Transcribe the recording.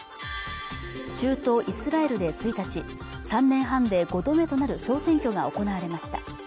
中東イスラエルで１日３年半で５度目となる総選挙が行われました